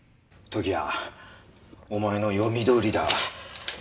時矢お前の読みどおりだ。